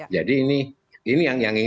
jadi ini yang ingin